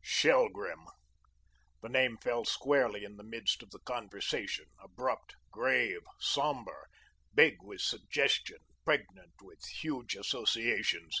Shelgrim! The name fell squarely in the midst of the conversation, abrupt, grave, sombre, big with suggestion, pregnant with huge associations.